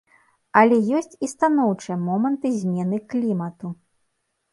Але ёсць і станоўчыя моманты змены клімату.